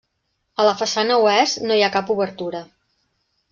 A la façana oest no hi ha cap obertura.